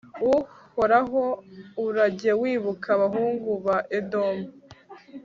uhoraho, urajye wibuka abahungu ba edomu